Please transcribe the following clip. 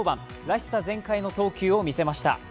らしさ全開の投球を見せました。